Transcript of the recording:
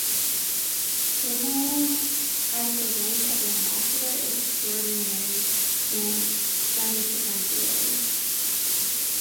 Kamilov has the rank of Ambassador Extraordinary and Plenipotentiary.